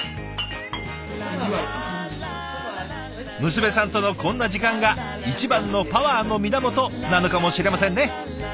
娘さんとのこんな時間が一番のパワーの源なのかもしれませんね。